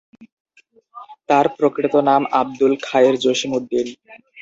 তার প্রকৃত নাম আবদুল খায়ের জসিম উদ্দিন।